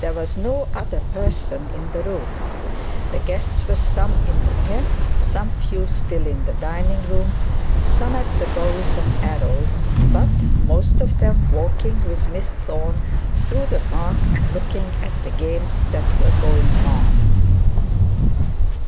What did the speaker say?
There was no other person in the room. The guests were some in the tent, some few still in the dining room, some at the bows and arrows, but most of them walking with Miss Thorne through the park, and looking at the games that were going on.